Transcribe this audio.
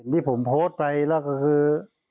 ที่ผมโพสต์ไปแล้วก็คือ